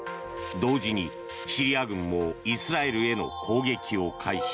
同時にシリア軍もイスラエルへの攻撃を開始。